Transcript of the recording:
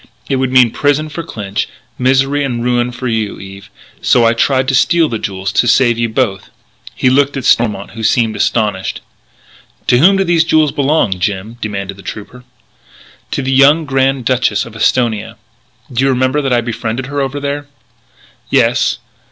It would mean prison for Clinch, misery and ruin for you, Eve. So I tried to steal the jewels ... to save you both." He looked at Stormont, who seemed astonished. "To whom do these jewels belong, Jim?" demanded the trooper. "To the young Grand Duchess of Esthonia.... Do you remember that I befriended her over there?" "Yes."